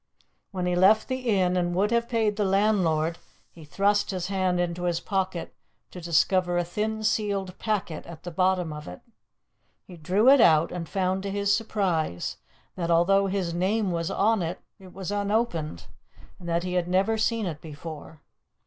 When he left the inn and would have paid the landlord, he thrust his hand into his pocket to discover a thin sealed packet at the bottom of it; he drew it out, and found to his surprise that, though his name was on it, it was unopened, and that he had never seen it before.